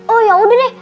oh yaudah deh